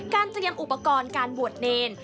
การเจริมอุปกรณ์การบวชเนน